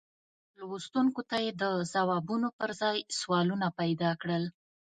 لوستونکو ته یې د ځوابونو پر ځای سوالونه پیدا کړل.